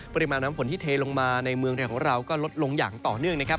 ปริมาณน้ำฝนที่เทลงมาในเมืองไทยของเราก็ลดลงอย่างต่อเนื่องนะครับ